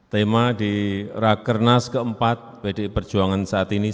tema di rakernas keempat bdi perjuangan saat ini